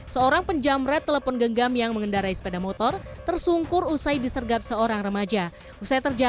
seorang penjamret yang berusaha mencari jalan yang berbeda